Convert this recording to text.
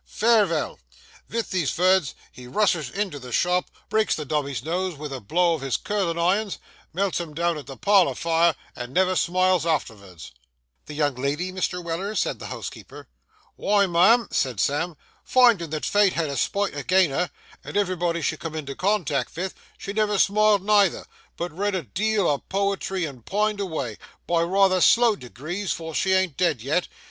Farevell!" Vith these vords he rushes into the shop, breaks the dummy's nose vith a blow of his curlin' irons, melts him down at the parlour fire, and never smiles artervards.' 'The young lady, Mr. Weller?' said the housekeeper. 'Why, ma'am,' said Sam, 'finding that Fate had a spite agin her, and everybody she come into contact vith, she never smiled neither, but read a deal o' poetry and pined avay,—by rayther slow degrees, for she ain't dead yet.